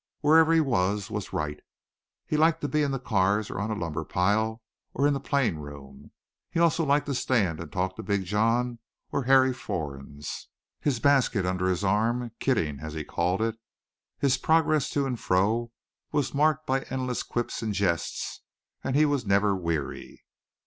Wherever he was was right. He liked to be in the cars or on a lumber pile or in the plane room. He also liked to stand and talk to Big John or Harry Fornes, his basket under his arm "kidding," as he called it. His progress to and fro was marked by endless quips and jests and he was never weary.